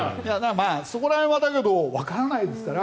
そこら辺はわからないですから。